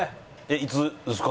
いつですか？